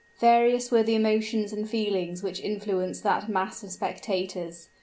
Various were the emotions and feelings which influenced that mass of spectators.